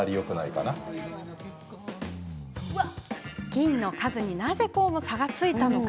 菌の数に、なぜ差がついたのか。